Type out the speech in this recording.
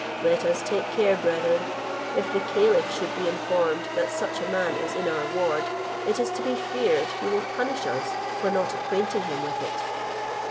Let us take care, brethren; if the caliph should be informed that such a man is in our ward, it is to be feared he will punish us for not acquainting him with it.